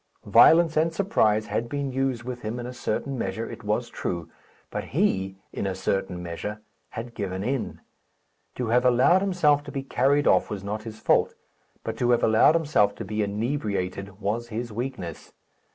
Violence and surprise had been used with him in a certain measure, it was true; but he, in a certain measure, had given in. To have allowed himself to be carried off was not his fault; but to have allowed himself to be inebriated was his weakness.